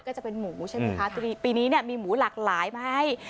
ก็จะเป็นหมูใช่ไหมคะปีนี้เนี่ยมีหมูหลากหลายมาให้